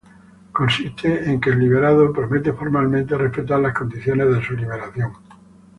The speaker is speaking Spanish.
Consiste en que el liberado promete formalmente respetar las condiciones de su liberación.